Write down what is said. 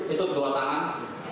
itu kedua tangan